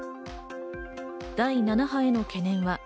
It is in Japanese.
第７波への懸念は？